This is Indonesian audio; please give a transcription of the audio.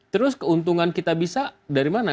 terus keuntungan kitabisa dari mana